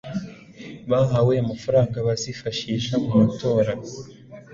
bahabwa amafaranga bazifashisha mu matora